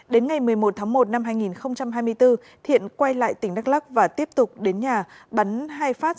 đến ngày một mươi một tháng một năm hai nghìn hai mươi bốn thiện quay lại tỉnh đắk lắc và tiếp tục đến nhà bắn hai phát